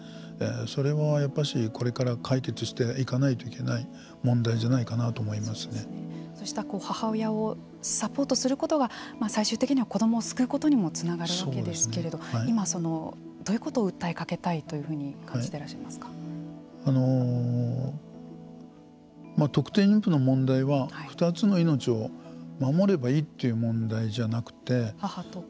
それはやっぱりこれから解決していかないといけない問題じゃないかなとそうした母親をサポートすることが最終的には子どもを救うことにもつながるわけですけれども今、どういうことを訴えかけたいと特定妊婦の問題は２つの命を守ればいいという問題じゃなくて。